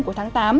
của tháng tám